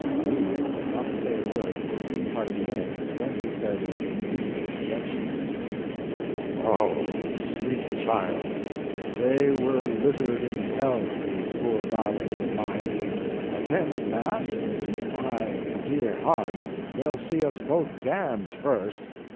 La Hire could not say a word for a good part of a minute, then he said, in deep dejection: "Oh, sweet child, they were littered in hell, these poor darlings of mine! Attend mass? Why, dear heart, they'll see us both damned first!"